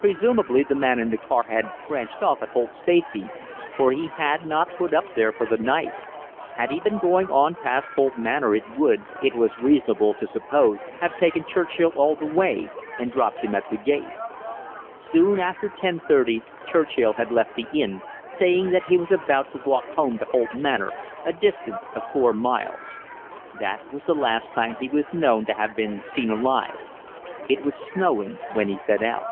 Presumably the man in the car had branched off at Holt Stacey for he had not put up there for the night. Had he been going on past Holt Manor he would, it was reasonable to suppose, have taken Churchill all the way, and dropped him at the gate. Soon after 10:30 Churchill had left the inn, saying that he was about to walk home to Holt Manor, a distance of four miles. That was the last time he was known to have been seen alive. It was snowing when he set out.